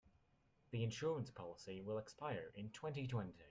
The insurance policy will expire in twenty-twenty.